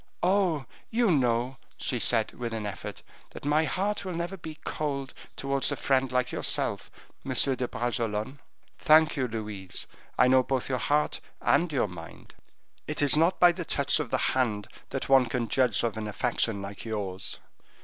"Oh! you know," she said, with an effort, "that my heart will never be cold towards a friend like yourself, Monsieur de Bragelonne." "Thank you, Louise. I know both your heart and your mind; it is not by the touch of the hand that one can judge of an affection like yours.